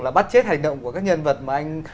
là bắt chết hành động của các nhân vật mà anh